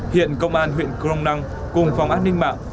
hiện công an huyện crong năng cùng phòng an ninh mạng